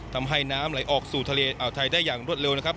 ทำให้น้ำไหลออกสู่ทะเลอ่อไทได้อย่างรวดเร็ว